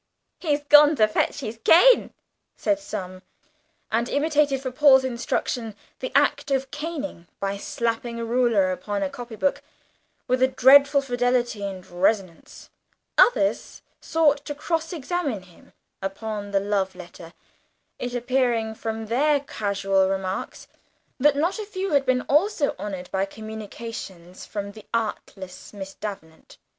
"He's gone to fetch his cane," said some, and imitated for Paul's instruction the action of caning by slapping a ruler upon a copy book with a dreadful fidelity and resonance; others sought to cross examine him upon the love letter, it appearing from their casual remarks that not a few had been also honoured by communications from the artless Miss Davenant.